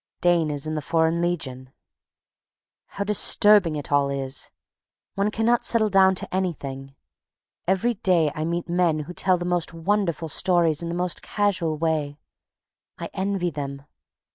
Dane is in the Foreign Legion. How disturbing it all is! One cannot settle down to anything. Every day I meet men who tell the most wonderful stories in the most casual way. I envy them.